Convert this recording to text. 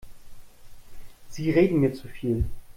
Sie reden mir zu viel.